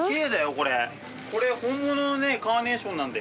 これ本物のねカーネーションなんだよ。